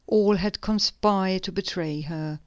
All had conspired to betray her.